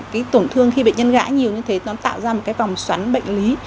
cái tổn thương khi bệnh nhân gãy nhiều như thế nó tạo ra một cái vòng xoắn bệnh lý